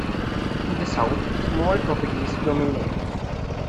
In the south, small properties dominate.